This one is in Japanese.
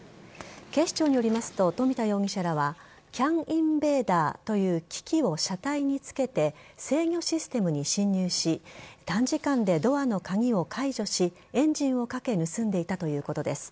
警視庁によりますと冨田容疑者らはＣＡＮインベーダーという機器を車体につけて制御システムに侵入し短時間でドアの鍵を解除しエンジンをかけ盗んでいたということです。